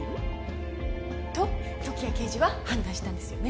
と時矢刑事は判断したんですよね？